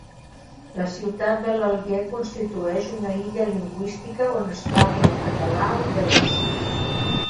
La ciutat de l'Alguer constitueix una illa lingüística on es parla el català alguerès.